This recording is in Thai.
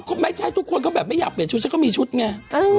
ก็ไม่ใช่ทุกคนก็แบบไม่อยากเปลี่ยนชุดฉันก็มีชุดไง